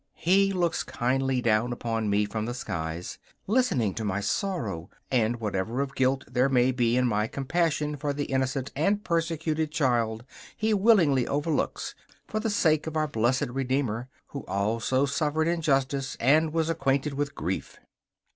He looks kindly down upon me from the skies, listening to my sorrow; and whatever of guilt there may be in my compassion for the innocent and persecuted child he willingly overlooks for the sake of our blessed Redeemer, who also suffered injustice and was acquainted with grief.